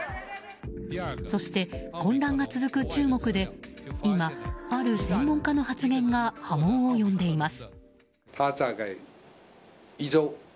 そして、混乱が続く中国で今、ある専門家の発言が波紋を呼んでいます。